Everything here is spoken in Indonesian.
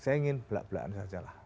saya ingin belak belakan sajalah